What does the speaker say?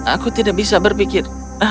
aku tidak bisa berpikir